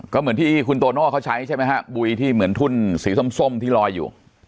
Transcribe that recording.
ก็เหมือนที่คุณโตโน่เขาใช้ใช่ไหมฮะบุยที่เหมือนทุ่นสีส้มที่ลอยอยู่